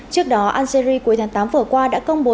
trước đó algeria cuối tháng tám vừa qua đã công bố